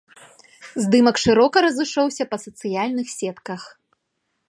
Здымак шырока разышоўся па сацыяльных сетках.